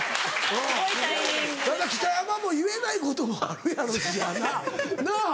ただ北山も言えないこともあるやろしやななっ。